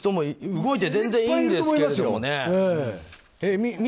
動いて全然いいんですけどね。